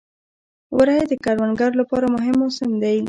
وری د کروندګرو لپاره مهم موسم دی.